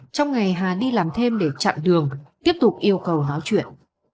trong ngày hà đi làm thêm để chặn đường tiếp tục yêu cầu nói chuyện